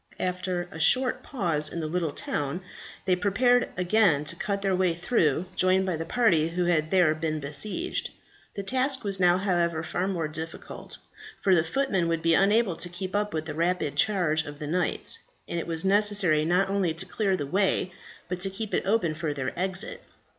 After a short pause in the little town, they prepared to again cut their way through, joined by the party who had there been besieged. The task was now however, far more difficult; for the footmen would be unable to keep up with the rapid charge of the knights, and it was necessary not only to clear the way, but to keep it open for their exit.